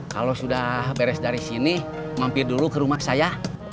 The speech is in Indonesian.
kalau sudah beres dari sini mampir dulu ke rumah saya